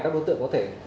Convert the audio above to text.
các đối tượng có thể